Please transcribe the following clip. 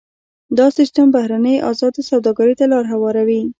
دا سیستم بهرنۍ ازادې سوداګرۍ ته لار هواروي.